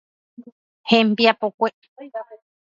Hembiapokue.